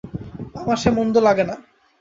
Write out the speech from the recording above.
আমার সে মন্দ লাগে না।